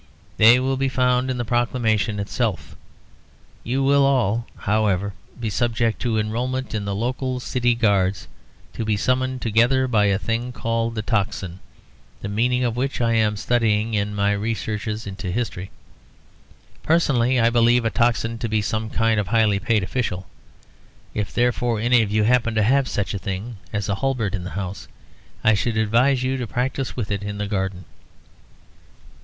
They will be found in the proclamation itself. You will all, however, be subject to enrolment in the local city guards, to be summoned together by a thing called the Tocsin, the meaning of which I am studying in my researches into history. Personally, I believe a tocsin to be some kind of highly paid official. If, therefore, any of you happen to have such a thing as a halberd in the house, I should advise you to practise with it in the garden."